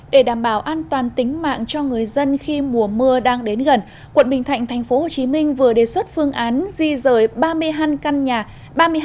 để đảm bảo an toàn tính mạng cho người dân khi mùa mưa đang đến gần quận bình thạnh tp hcm vừa đề xuất phương án di rời ba mươi hai căn nhà